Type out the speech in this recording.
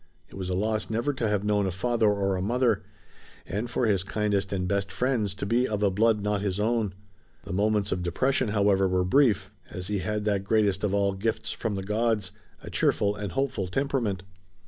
It was a loss never to have known a father or a mother, and for his kindest and best friends to be of a blood not his own. The moments of depression, however, were brief, as he had that greatest of all gifts from the gods, a cheerful and hopeful temperament.